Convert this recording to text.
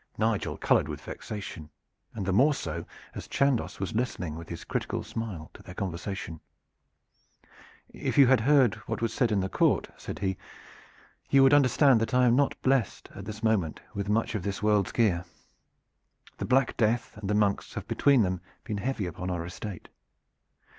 Nigel colored with vexation, and the more so as Chandos was listening with his critical smile to their conversation. "If you had heard what was said in the court," said he, "you would understand that I am not blessed at this moment with much of this world's gear. The black death and the monks have between them been heavy upon our estate.